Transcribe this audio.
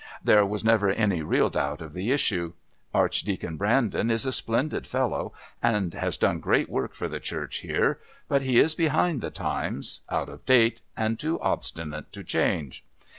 There was never any real doubt of the issue. Archdeacon Brandon is a splendid fellow, and has done great work for the Church here, but he is behind the times, out of date, and too obstinate to change.